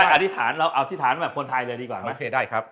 อธิษฐานเราอธิษฐานแบบคนไทยเลยดีกว่าโอเคได้ครับ